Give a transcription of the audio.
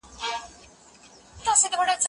زه به اوږده موده کالي وچولي وم